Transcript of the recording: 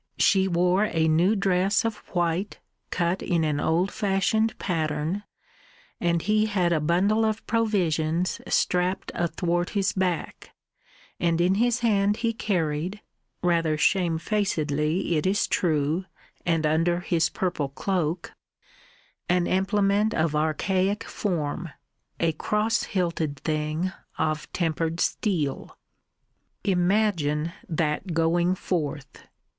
She wore a new dress of white cut in an old fashioned pattern, and he had a bundle of provisions strapped athwart his back, and in his hand he carried rather shame facedly it is true, and under his purple cloak an implement of archaic form, a cross hilted thing of tempered steel. Imagine that going forth!